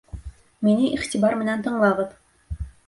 Мине иғтибар менән тыңлағыҙ!